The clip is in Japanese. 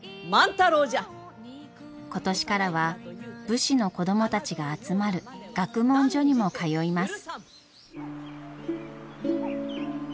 今年からは武士の子供たちが集まる学問所にも通います。